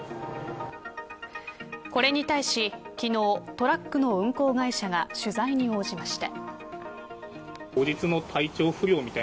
これに対し昨日、トラックの運行会社が取材に応じました。